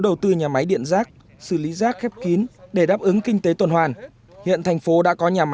đầu tư nhà máy điện rác xử lý rác khép kín để đáp ứng kinh tế tuần hoàn hiện thành phố đã có nhà máy